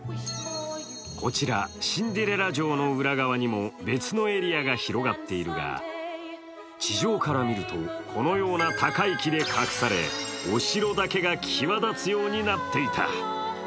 こちらシンデレラ城の裏側にも別のエリアが広がっているが地上から見ると、このような高い木で隠され、お城だけが際立つようになっていた。